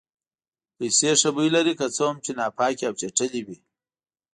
پیسې ښه بوی لري که څه هم چې ناپاکې او چټلې وي.